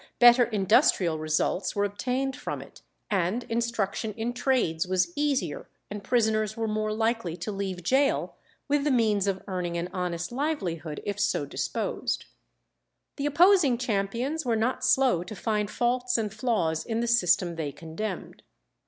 Better industrial results were obtained from it, and instruction in trades was easier, and prisoners were more likely to leave gaol with the means of earning an honest livelihood if so disposed. The opposing champions were not slow to find faults and flaws in the system they condemned.